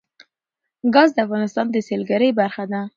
ګاز د افغانستان د سیلګرۍ برخه ده.